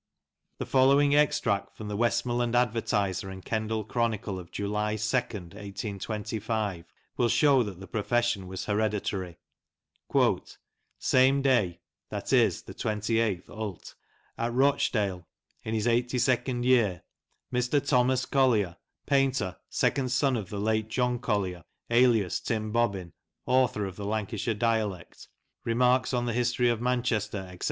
The following extract from the Westmorland Advertiser and Kendal Chronicle of July 2nd, 1825, will show that the profession was hereditary :—" Same day (i.e, the 28th ult.) at Rochdale, in his 82nd year, Mr. Thomas Collier, painter, second son of the late John Collier, alias Tim Bobbin, Author of the " Lancashire Dialect," " Remarks on the History of Manchester," &c.